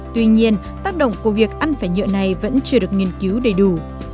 tuy nhiên tác động của việc ăn phải nhựa này vẫn chưa được nghiên cứu đầy đủ